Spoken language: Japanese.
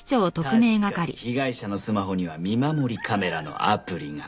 確かに被害者のスマホには見守りカメラのアプリが。